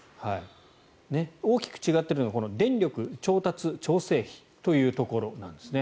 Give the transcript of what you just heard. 大きく違っているのは電力調達調整費というところ。